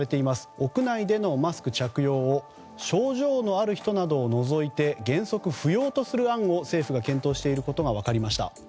屋内でのマスク着用を症状のある人などを除いて原則不要とする案を政府が検討していることが分かりました。